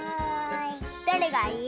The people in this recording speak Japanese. どれがいい？